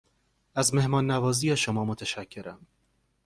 از مهمان نوازی شما متشکرم.